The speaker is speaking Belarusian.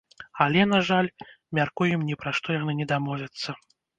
Але, на жаль, мяркуем, ні пра што яны не дамовяцца.